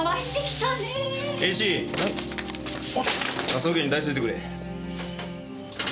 科捜研に出しといてくれ。